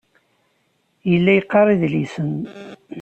Yella yeqqar idlisen.